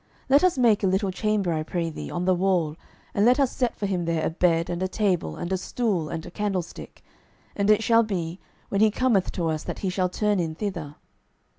12:004:010 Let us make a little chamber, I pray thee, on the wall; and let us set for him there a bed, and a table, and a stool, and a candlestick: and it shall be, when he cometh to us, that he shall turn in thither.